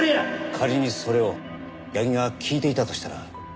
仮にそれを矢木が聞いていたとしたら。